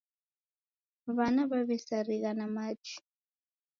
W'ana w'aw'esarigha na machi.